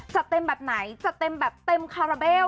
จะเต็มแบบไหนจะเต็มแบบเต็มคาราเบล